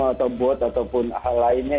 atau bot ataupun hal lainnya